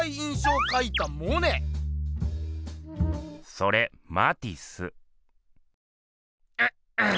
それマティス。